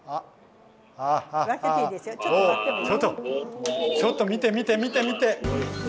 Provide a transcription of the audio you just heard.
ちょっとちょっと見て見て見て見て。